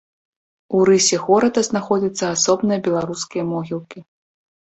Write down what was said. У рысе горада знаходзяцца асобныя беларускія могілкі.